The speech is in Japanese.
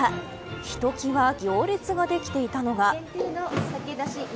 ひときわ行列ができていたのが。